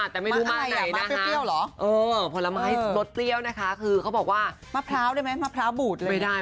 แต่ไม่รู้มะอะไรนะคะพอละมะให้ลดเตี้ยวนะคะคือเขาบอกว่ามะพร้าวได้ไหมมะพร้าวบูดเลย